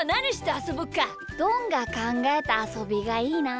どんがかんがえたあそびがいいな。